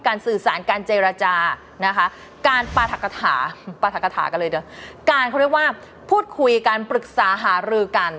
การสื่อสารการเจรจานะคะการปรฐกฐาการพูดคุยการปรึกษาหารือกัน